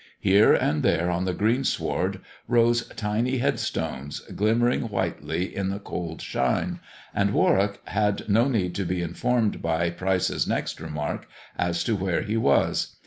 Here and there on the greensward rose tiny headstones, glimmer ing whitely in the cold shine, and Warwick had no need to be informed by Pryce' s next remark as to where he was.